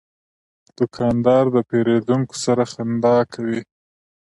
دوکاندار د پیرودونکو سره خندا کوي.